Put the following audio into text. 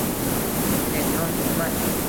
elektron hukumat